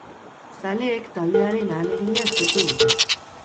Zaleek taldearen ahalegina eskertu dute.